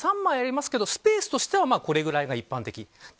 一般的には畳３枚ありますけどスペースとしてはこれぐらいが一般的。